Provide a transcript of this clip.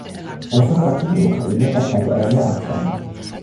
Einer föderativen Ukraine erteilte er eine Absage.